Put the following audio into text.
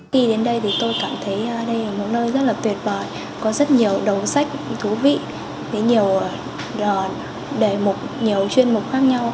khi đến đây thì tôi cảm thấy đây là một nơi rất là tuyệt vời có rất nhiều đầu sách thú vị nhiều chuyên mục khác nhau